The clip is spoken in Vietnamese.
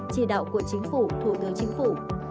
chị đạo của chính phủ thuộc đối chính phủ